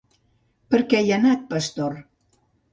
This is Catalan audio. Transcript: Per què hi ha anat Pastor?